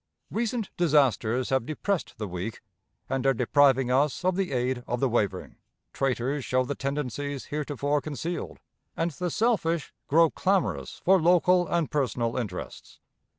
Recent disasters have depressed the weak, and are depriving us of the aid of the wavering. Traitors show the tendencies heretofore concealed, and the selfish grow clamorous for local and personal interests.